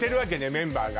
メンバーが。